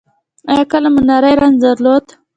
ایا کله مو نری رنځ درلود؟